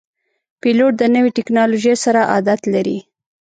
پیلوټ د نوي ټکنالوژۍ سره عادت لري.